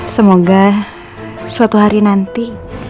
semoga suatu hari nanti